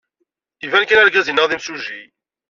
Iban kan argaz-inna d imsujji.